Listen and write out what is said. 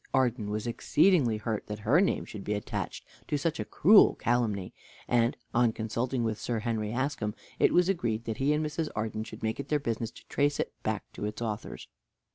Arden was exceedingly hurt that her name should be attached to such a cruel calumny, and, on consulting with Sir Henry Askham, it was agreed that he and Mrs. Arden should make it their business to trace it back to its authors.